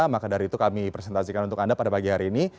maka dari itu kami presentasikan untuk anda pada pagi hari ini